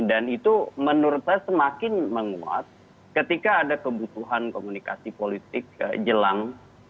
dan itu menurut saya semakin menguat ketika ada kebutuhan komunikasi politik jelang dua ribu dua puluh empat